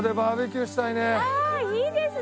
いいですね！